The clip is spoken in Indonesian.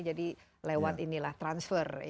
jadi lewat ini lah transfer